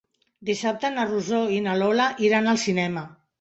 Dissabte na Rosó i na Lola iran al cinema.